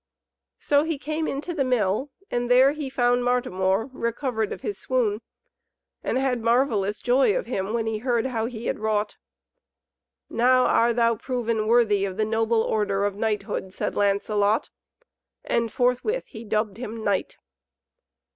So he came into the Mill, and there he found Martimor recovered of his swoon, and had marvellous joy of him, when he heard how he had wrought. "Now are thou proven worthy of the noble order of knighthood," said Lancelot, and forthwith he dubbed him knight.